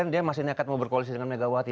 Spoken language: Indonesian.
dia masih nekat mau berkoalisi dengan megawati